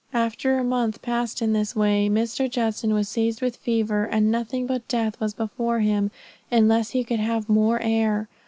After a month passed in this way, Mr. Judson was seized with fever, and nothing but death was before him unless he could have more air.